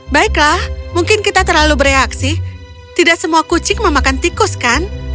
baiklah mungkin kita terlalu bereaksi tidak semua kucing memakan tikus kan